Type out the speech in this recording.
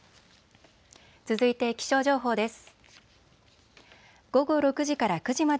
続いて気象情報です。